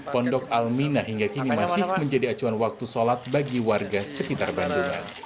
pondok almina hingga kini masih menjadi acuan waktu sholat bagi warga sekitar bandungan